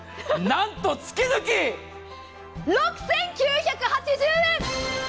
なんと月々６９８０円！